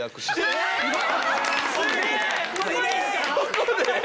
ここで？